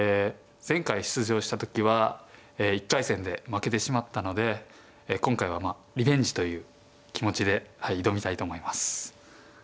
前回出場した時は１回戦で負けてしまったので今回はまあリベンジという気持ちで挑みたいと思います。